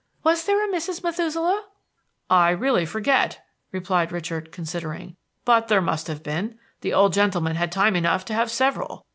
Was there a Mrs. Methuselah?" "I really forget," replied Richard, considering. "But there must have been. The old gentleman had time enough to have several.